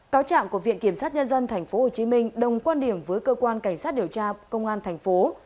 cáo trạng của viện kiểm soát nhân dân tp hồ chí minh đồng quan điểm với cơ quan cảnh sát điều tra công an tp